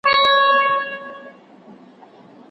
پر باوړۍ باندي غویی یې وو لیدلی